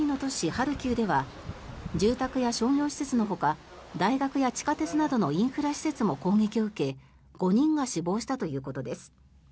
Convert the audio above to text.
ハルキウでは住宅や商業施設のほか大学や地下鉄などのインフラ施設も攻撃を受け５人が死亡したということです。